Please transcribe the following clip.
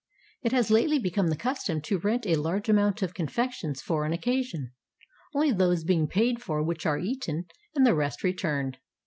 It has lately become the custom to rent a large amount of confections for an occasion, only those being paid for which are eaten, and the rest returned.